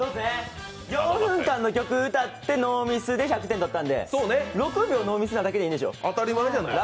４分間の曲を歌ってノーミスで１００点取ったので、６秒ノーミスなだけでしょ。